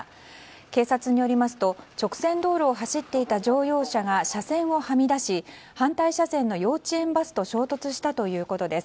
警察によりますと直線道路を走っていた乗用車が車線をはみ出し反対車線の幼稚園バスと衝突したということです。